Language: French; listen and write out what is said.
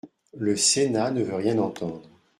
Le sénat ne veut rien entendre.